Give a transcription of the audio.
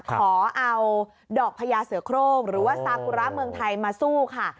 ขอเอาดอกพญาเสือโครงหรือว่าซากุระเมืองไทยมาสู้ค่ะ